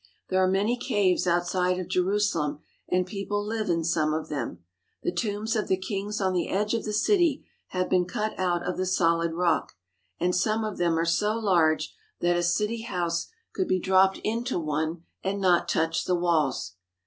There are many caves outside of Jerusalem and people live in some of them. The tombs of the kings on the edge of the city have been cut out of the solid rock, and some of them are so large that a city house could be dropped into one and not touch the walls.